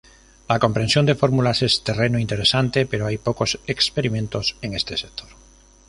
La comprensión de fórmulas es terreno interesante pero hay pocos experimentos en este sector.